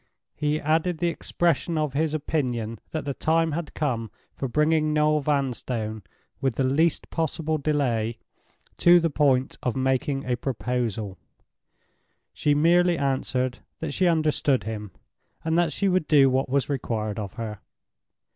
He added the expression of his opinion that the time had come for bringing Noel Vanstone, with the least possible delay, to the point of making a proposal. She merely answered that she understood him, and that she would do what was required of her.